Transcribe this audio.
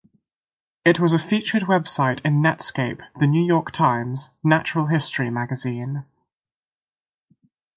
It was a featured website in Netscape, the "New York Times", "Natural History Magazine".